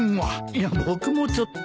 いや僕もちょっと。